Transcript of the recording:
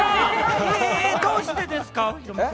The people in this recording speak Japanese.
どうしてですか？